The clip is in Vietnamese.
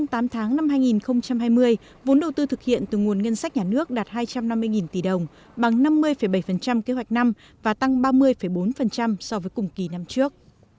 trong tám tháng năm hai nghìn hai mươi vốn đầu tư thực hiện từ nguồn ngân sách nhà nước đạt hai trăm năm mươi tỷ đồng bằng năm mươi bảy kế hoạch năm và tăng ba mươi bốn so với cùng kỳ năm trước